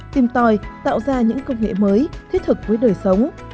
tìm tòi tạo ra những công nghệ mới thiết thực với đời sống